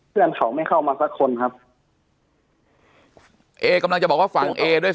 เพื่อนเขาไม่เข้ามาสักคนครับ